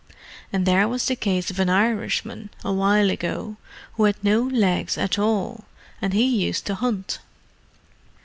And there was the case of an Irishman, a while ago, who had no legs at all—and he used to hunt."